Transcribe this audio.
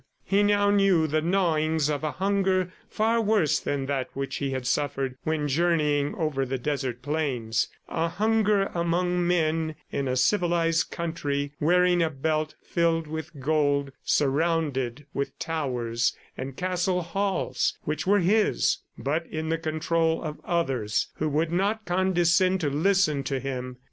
He now knew the gnawings of a hunger far worse than that which he had suffered when journeying over the desert plains a hunger among men, in a civilized country, wearing a belt filled with gold, surrounded with towers and castle halls which were his, but in the control of others who would not condescend to listen to him.